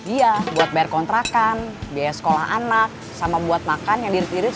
iya buat bayar kontrakan biaya sekolah anak sama buat makan yang diris